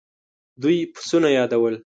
دوی پسونه يادول.